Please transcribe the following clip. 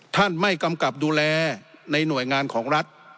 ท่านไม่กำกับดูแลในหน่วยงานของรัฐ